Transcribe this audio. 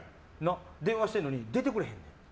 電話してるのに出てくれへん。